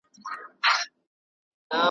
ولي دومره یې بې وسه چي دي لاس نه را غځيږي .